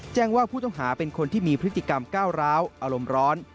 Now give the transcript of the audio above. แจ้งว่าผู้ต้องหาเป็นคนที่มีพฤติกรรมก้าวร้าวอารมณ์ร้อน